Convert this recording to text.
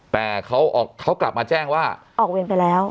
แต่เขากลับมาแจ้งว่าออกเวรไปแล้ว